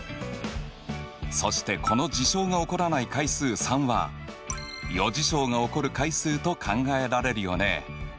そしてこの事象が起こらない回数３は余事象が起こる回数と考えられるよね。